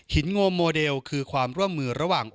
โงมโมเดลคือความร่วมมือระหว่าง